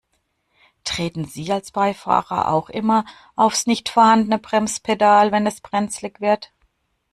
Treten Sie als Beifahrer auch immer aufs nicht vorhandene Bremspedal, wenn es brenzlig wird?